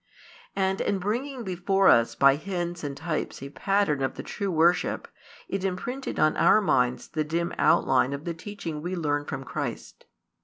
And in bringing before us by hints and types a pattern of the true worship, it imprinted on our minds the dim outline of the teaching we learn from Christ.